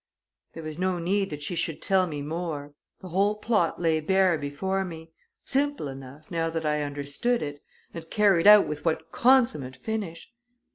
There was no need that she should tell me more the whole plot lay bare before me simple enough, now that I understood it, and carried out with what consummate finish!